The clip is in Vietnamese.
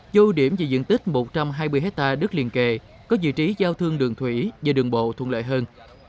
dô điểm giữa diện tích một trăm hai mươi ha đất liền kề có dự trí giao thương đường thủy và đường bộ thuận lợi hơn